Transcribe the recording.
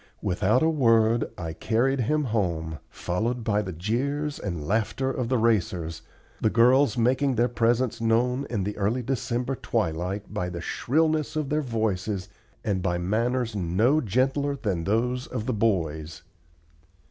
Without a word I carried him home, followed by the jeers and laughter of the racers, the girls making their presence known in the early December twilight by the shrillness of their voices and by manners no gentler than those of the boys.